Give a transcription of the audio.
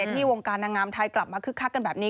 ที่วงการนางงามไทยกลับมาคึกคักกันแบบนี้